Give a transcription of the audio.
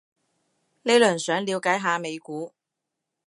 呢輪想了解下美股